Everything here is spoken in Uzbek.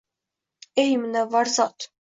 Ey, munavvar zot